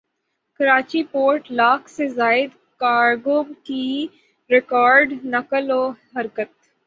Karachi port lakh سے زائد cargo کی ریکارڈ نقل وحرکت